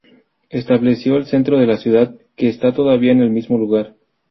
Estableció el centro de la ciudad, que está todavía en el mismo lugar.